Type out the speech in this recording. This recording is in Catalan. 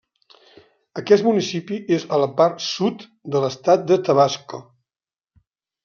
Aquest municipi és a la part sud de l'estat de Tabasco.